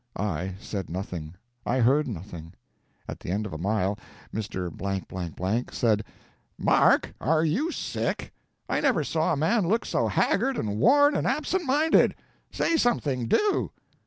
I said nothing; I heard nothing. At the end of a mile, Mr. said "Mark, are you sick? I never saw a man look so haggard and worn and absent minded. Say something, do!"